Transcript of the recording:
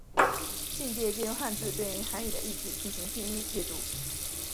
训借借用汉字对应于韩语的意字进行训音阅读。